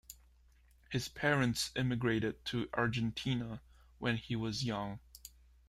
His parents immigrated to Argentina when he was young.